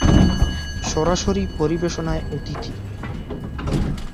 সরাসরি পরিবেশনায় অতিথি